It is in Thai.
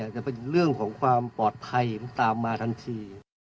จะเป็นเรื่องของความปลอดภัยมันตามมาทันที